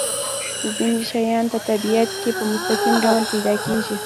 ځینې شیان په طبیعت کې په مستقیم ډول پیدا کیږي.